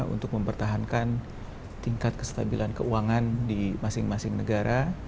untuk mempertahankan tingkat kestabilan keuangan di masing masing negara